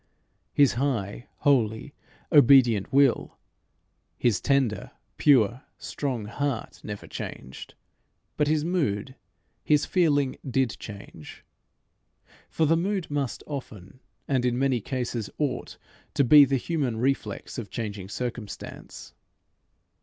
His high, holy, obedient will, his tender, pure, strong heart never changed, but his mood, his feeling did change. For the mood must often, and in many cases ought to be the human reflex of changing circumstance.